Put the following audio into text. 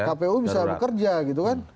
kpu bisa bekerja gitu kan